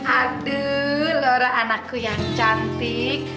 aduh lora anakku yang cantik